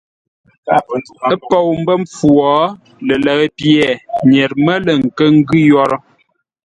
Ə́ pou mbə́ mpfu wo, lələʉ pye nyer mə́ lə̂ nkə́ ngʉ́ yórə́.